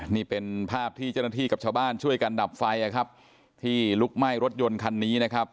นี่เป็นภาพที่เจ้าหน้าที่กับชาวบ้านช่วยกันดับไฟนะครับที่ลุกไหม้รถยนต์คันนี้นะครับ